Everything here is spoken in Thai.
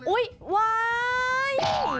อุ๊ยว้าย